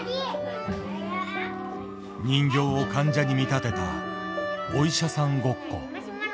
人形を患者に見立てたお医者さんごっこ。